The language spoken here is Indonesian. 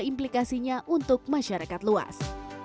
dan implikasinya untuk masyarakat luas